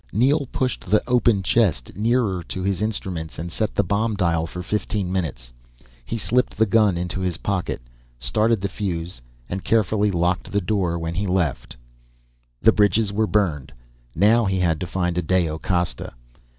Neel pushed the open chest nearer to his instruments and set the bomb dial for fifteen minutes. He slipped the gun into his pocket, started the fuse, and carefully locked the door when he left. The bridges were burned. Now he had to find Adao Costa.